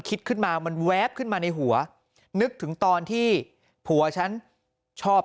คิดขึ้นมามันแวบขึ้นมาในหัวนึกถึงตอนที่ผัวฉันชอบ